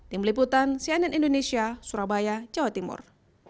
tim liputan cnn indonesia surabaya jawa timur